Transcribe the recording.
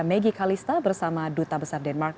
maggie kalista bersama duta besar denmark